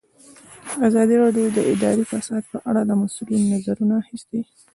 ازادي راډیو د اداري فساد په اړه د مسؤلینو نظرونه اخیستي.